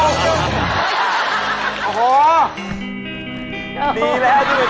ดีแล้วที่มันเป็นของคุณ